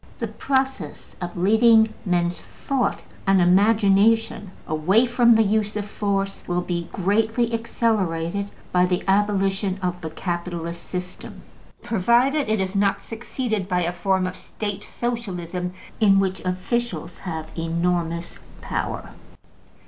The process of leading men's thought and imagination away from the use of force will be greatly accelerated by the abolition of the capitalist system, provided it is not succeeded by a form of State Socialism in which officials have enormous power.